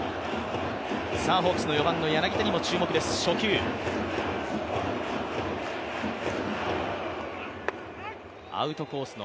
ホークスの４番の柳田にも注目ですアウトコースの